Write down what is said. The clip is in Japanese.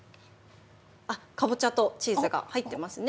かぼちゃとチーズが入っていますね。